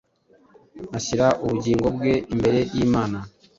Ashyira ubugingo bwe imbere y’Imana,